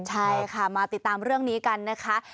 ใช่ค่ะมาติดตามเรื่องนี้กันนะคะ